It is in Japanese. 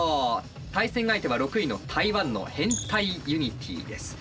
対戦相手は６位の台湾のヘンタイ・ユニティーです。